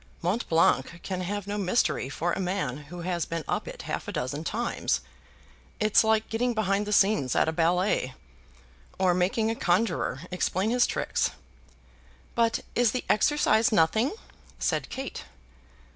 Mont Blanc can have no mystery for a man who has been up it half a dozen times. It's like getting behind the scenes at a ballet, or making a conjuror explain his tricks." "But is the exercise nothing?" said Kate.